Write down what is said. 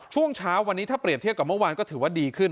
ช่วงเช้าวันนี้ถ้าเปรียบเทียบกับเมื่อวานก็ถือว่าดีขึ้น